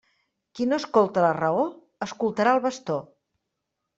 Qui no escolta la raó, escoltarà el bastó.